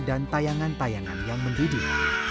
dan tayangan tayangan yang mendidik